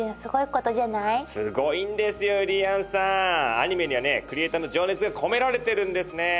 アニメにはねクリエーターの情熱が込められてるんですねえ。